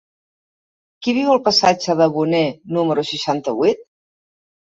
Qui viu al passatge de Boné número seixanta-vuit?